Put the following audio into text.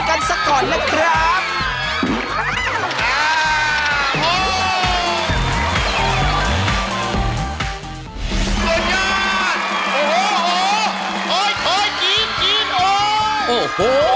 กันสักก่อนนะครับ